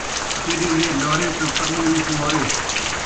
تیݙے ایہے لارے، تاں پرنے وی کنوارے